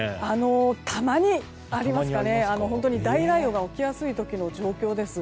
本当に大雷雨が起きやすい時の状況です。